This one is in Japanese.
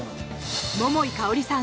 桃井かおりさん